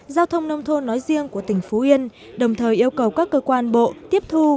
giao thông nông thôn nói riêng của tỉnh phú yên đồng thời yêu cầu các cơ quan bộ tiếp thu